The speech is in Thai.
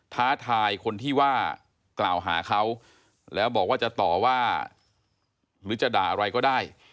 ท้าทายคนที่ว่ากล่าวหาเขาแล้วบอกว่าจะต่อว่าหรือจะด่าอะไรก็ได้